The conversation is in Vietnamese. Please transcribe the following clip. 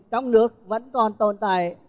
trong nước vẫn còn tồn tại